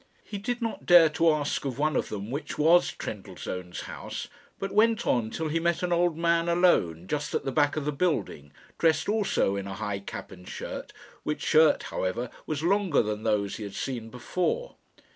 He did not dare to ask of one of them which was Trendellsohn's house, but went on till he met an old man alone just at the back of the building, dressed also in a high cap and shirt, which shirt, however, was longer than those he had seen before.